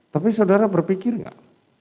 tapi saudara berpikir tidak